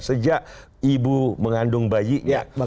sejak ibu mengandung bayinya